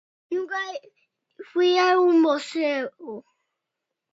Nunca fui a un museo.